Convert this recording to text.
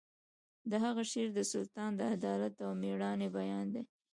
د هغه شعر د سلطان د عدالت او میړانې بیان کوي